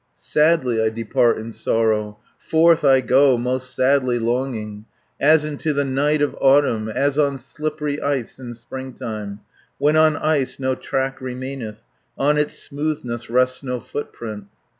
Sadly I depart in sorrow, Forth I go, most sadly longing, 160 As into the night of autumn, As on slippery ice in springtime, When on ice no track remaineth, On its smoothness rests no footprint.